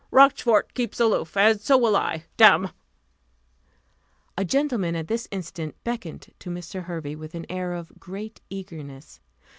"Rochfort keeps aloof; and so will I, damme!" A gentleman at this instant beckoned to Mr. Hervey with an air of great eagerness.